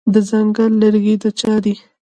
د ځنګل لرګي د چا دي؟